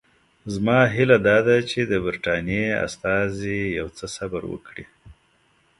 زما هیله دا ده چې د برټانیې استازي یو څه صبر وکړي.